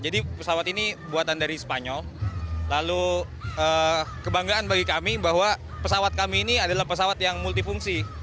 jadi pesawat ini buatan dari spanyol lalu kebanggaan bagi kami bahwa pesawat kami ini adalah pesawat yang multifungsi